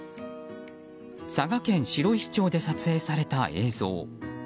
佐賀県白石町で撮影された映像。